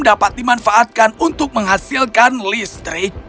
dapat dimanfaatkan untuk menghasilkan listrik